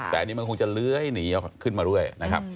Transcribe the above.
แต่อันนี้มันคงจะเลื้อยหนีขึ้นมาเรื่อยนะครับ